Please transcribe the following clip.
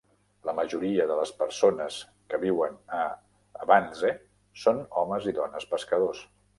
La majoria de les persones que viuen a Abandze són homes i dones pescadors.